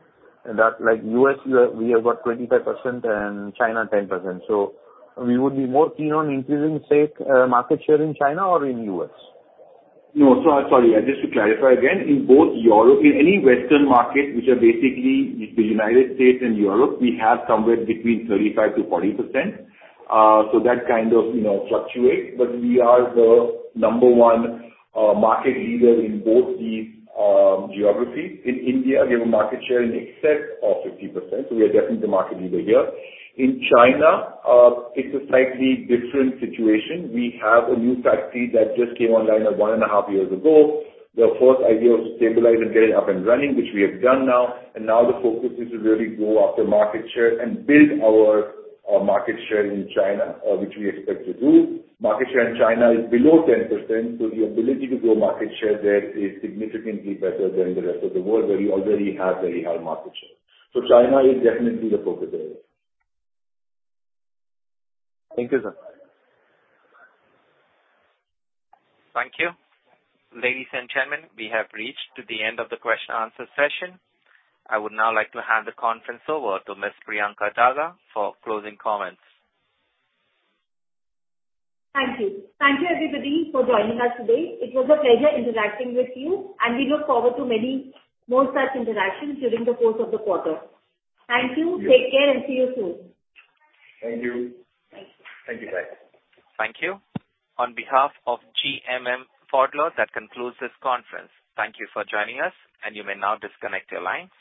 that like U.S., we have got 25% and China, 10%. We would be more keen on increasing, say, market share in China or in U.S.? No, so sorry, just to clarify again, in both Europe, in any Western market, which are basically the United States and Europe, we have somewhere between 35%-40%. That kind of, you know, fluctuates, but we are the number one market leader in both these geographies. In India, we have a market share in excess of 50%. We are definitely the market leader here. In China, it's a slightly different situation. We have a new factory that just came online 1.5 years ago. The first idea was to stabilize and get it up and running, which we have done now. Now the focus is to really go after market share and build our market share in China, which we expect to do. Market share in China is below 10%, the ability to grow market share there is significantly better than the rest of the world, where we already have a very high market share. China is definitely the focus area. Thank you, sir. Thank you. Ladies and gentlemen, we have reached to the end of the question-and-answer session. I would now like to hand the conference over to Miss Priyanka Daga for closing comments. Thank you. Thank you everybody for joining us today. It was a pleasure interacting with you, and we look forward to many more such interactions during the course of the quarter. Thank you. Take care, and see you soon. Thank you. Thank you. Thank you, bye. Thank you. On behalf of GMM Pfaudler, that concludes this conference. Thank you for joining us, and you may now disconnect your lines.